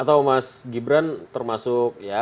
atau mas gibran termasuk ya